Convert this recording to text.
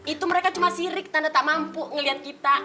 itu mereka cuma sirik tanda tak mampu ngelihat kita